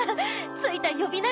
付いた呼び名が。